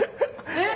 えっ？